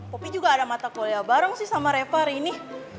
popi juga ada mata kuliah bareng sih sama reva hari ini